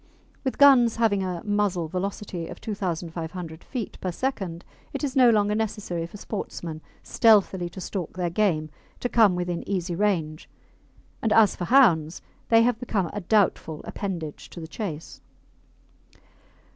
With guns having a muzzle velocity of 2,500 feet per second, it is no longer necessary for sportsmen stealthily to stalk their game to come within easy range, and as for hounds, they have become a doubtful appendage to the chase.